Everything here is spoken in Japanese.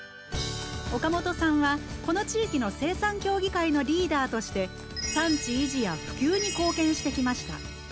岡元さんはこの地域の生産協議会のリーダーとして産地維持や普及に貢献してきました。